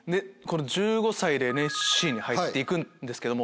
１５歳でＮＳＣに入って行くんですけど。